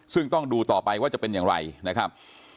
ซึ่งต้องดูต่อไปว่าจะเป็นอย่างไรนะครับ